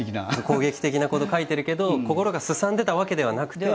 攻撃的なこと描いてるけど心がすさんでたわけではなくて。